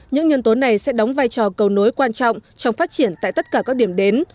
những nhân tố này sẽ đóng vai trò cầu nối quan trọng trong phát triển tại tất cả các điểm đến